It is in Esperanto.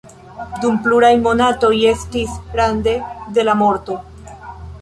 Dum pluraj monatoj estis rande de la morto.